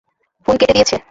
Phone কেটে দিয়েছে।